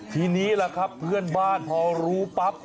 ทีนี้ล่ะครับเพื่อนบ้านพอรู้ปั๊บ